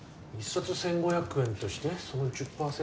１冊１，５００円としてその１０％だから。